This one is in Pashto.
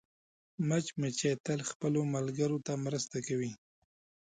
مچمچۍ تل خپلو ملګرو ته مرسته کوي